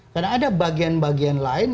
karena ada bagian bagian lain